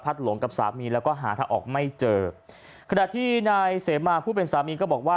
หลงกับสามีแล้วก็หาทางออกไม่เจอขณะที่นายเสมาผู้เป็นสามีก็บอกว่า